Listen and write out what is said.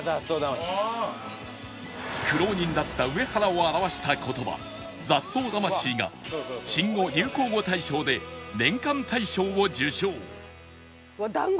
苦労人だった上原を表した言葉「雑草魂」が新語・流行語大賞で年間大賞を受賞